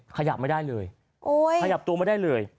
ขยับไม่ได้เลยขยับตัวไม่ได้เลย